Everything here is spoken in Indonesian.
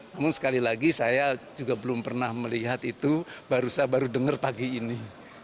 namun sekali lagi saya juga belum pernah melihat itu baru saya baru dengar pagi ini